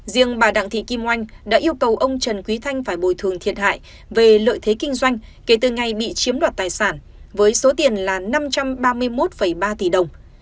riêng bà đặng thị kim oanh đã yêu cầu ông trần quý thanh phải bồi thường thiệt hại về lợi thế kinh doanh kể từ ngày bị chiếm đoạt tài sản với số tiền là năm trăm ba mươi một ba tỷ đồng